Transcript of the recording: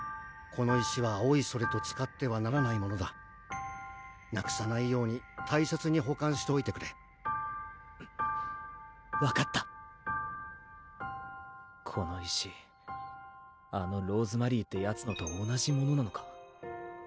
この石はおいそれと使ってはならないなくさないように大切に保管しておいてく分かったこの石あのローズマリーってヤツのと同じものなのか？